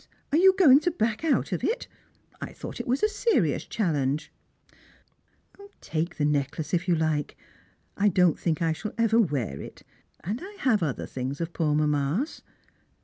are you going to back out of it? I thought it was a serious challenge," " Take the necklace, if you like. I don't think I shall ever wear it and I have other things of poor' mamma's."